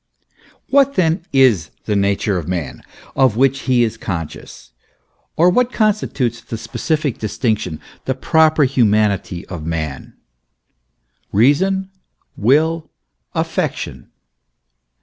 What, then, is the nature of man, of which he is conscious, or what constitutes the specific distinction, the proper humanity of man ?* Reason, Will, Affection.